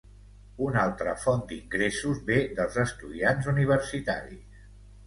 Una altra font d'ingressos ve dels estudiants universitaris.